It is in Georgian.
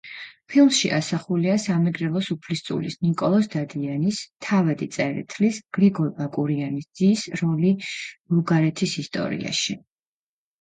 ფილმში ასახულია სამეგრელოს უფლისწულის ნიკოლოზ დადიანის, თავადი წერეთლის, გრიგოლ ბაკურიანის ძის როლი ბულგარეთის ისტორიაში.